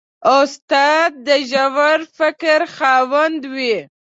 استاد د ژور فکر خاوند وي.